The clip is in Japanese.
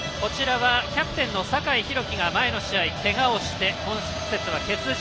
キャプテンの酒井宏樹が前の試合、けがをして今節は欠場。